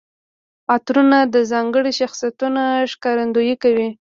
عطرونه د ځانګړي شخصیت ښکارندويي کوي.